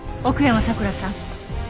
奥山桜さん。